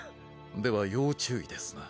では要注意ですな。